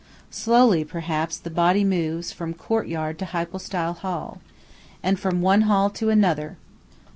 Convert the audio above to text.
Slowly, perhaps, the body moves from courtyard to hypostyle hall, and from one hall to another.